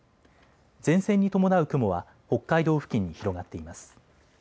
前線に伴う雲は北海道付近に広がっています。